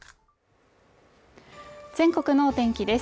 全国のお天気です